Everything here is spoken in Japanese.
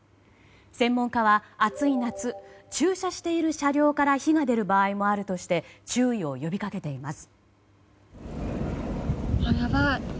専門家は、暑い夏駐車している車両から火が出る場合もあるとして注意を呼び掛けています。